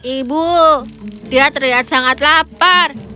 ibu dia terlihat sangat lapar